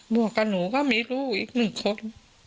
บวกกับหนูก็มีลูกอีก๑คน